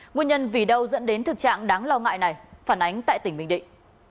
nguyên nhân vì đâu dẫn đến thực trạng đáng lo ngại này phản ánh tại tỉnh bình định